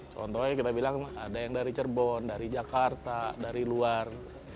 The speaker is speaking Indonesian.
contohnya kita bilang ada yang dari cirebon dari jakarta dari luar